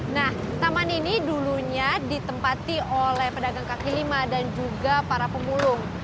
nah taman ini dulunya ditempati oleh pedagang kaki lima dan juga para pemulung